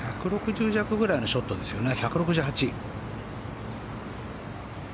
１６０弱ぐらいのショットですよね。